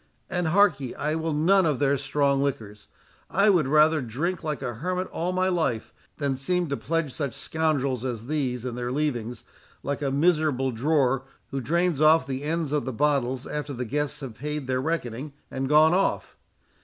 And, hark ye, I will none of their strong liquors. I would rather drink like a hermit all my life, than seem to pledge such scoundrels as these in their leavings, like a miserable drawer, who drains off the ends of the bottles after the guests have paid their reckoning, and gone off.